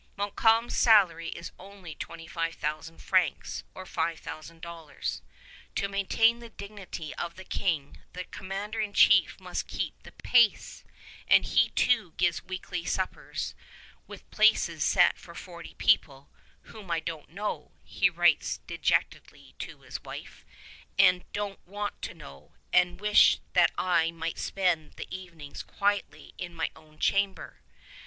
Montcalm's salary is only 25,000 francs, or $5,000. To maintain the dignity of the King, the commander in chief must keep the pace, and he too gives weekly suppers, with places set for forty people, "whom I don't know," he writes dejectedly to his wife, "and don't want to know; and wish that I might spend the evenings quietly in my own chamber."